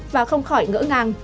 và không khỏi ngỡ ngàng